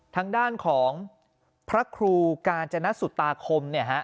ทางด้านของพระครูกาญจนสุตาคมเนี่ยฮะ